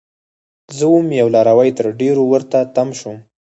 زه وم یو لاروی؛ تر ډيرو ورته تم شوم